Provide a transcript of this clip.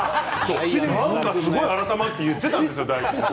すごく改まって言っていたんですよ。